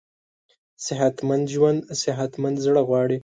صحتمند ژوند صحتمند زړه غواړي.